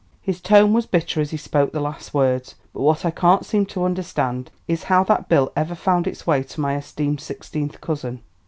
His tone was bitter as he spoke the last words. "But what I can't seem to understand is how that bill ever found its way to my esteemed sixteenth cousin."